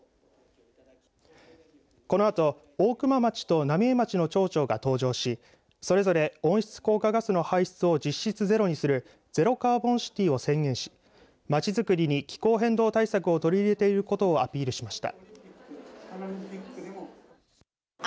このあと大熊町と浪江町の町長が登場しそれぞれ温室効果ガスの排出を実質ゼロにするゼロカーボンシティを宣言しまちづくりに気候変動対策を取り入れていることをアピールしました。